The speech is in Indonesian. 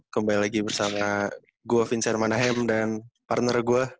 kembali lagi bersama gue vincent manahem dan partner gue